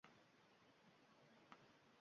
Men judayam mamnun boʻldim